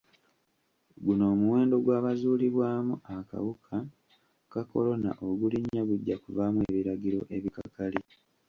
Guno omuwendo gw'abazuulibwamu akawuka ka kolona ogulinnya gujja kuvaamu ebiragiro ebikakali.